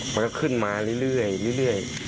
มันก็ขึ้นมาเรื่อย